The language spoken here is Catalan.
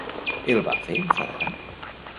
El va fer enfadar?